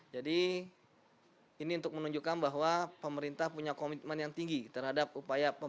jadi ini untuk menunjukkan bahwa pemerintah punya komitmen yang tinggi terhadap upaya pemberantasan